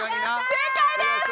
正解です！